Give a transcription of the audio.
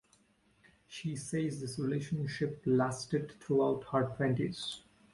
She says this relationship lasted throughout her twenties.